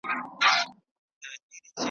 په هغه ګړي له لاري را ګوښه سول .